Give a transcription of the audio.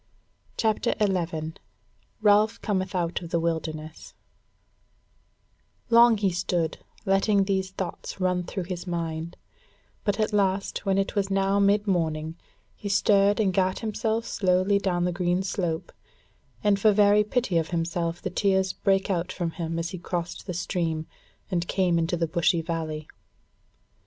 CHAPTER 11 Ralph Cometh Out of the Wilderness Long he stood letting these thoughts run through his mind, but at last when it was now midmorning, he stirred and gat him slowly down the green slope, and for very pity of himself the tears brake out from him as he crossed the stream and came into the bushy valley.